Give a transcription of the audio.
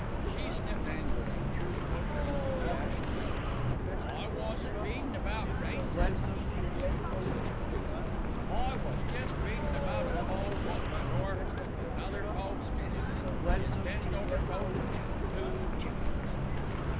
She sniffed angrily and threw the poker into the ash pan. "I wasn't readin' about racin'," he continued pacifically. "I was jest readin' about a cove wot went orf with another cove's missis, 'is best overcoat and two chickens."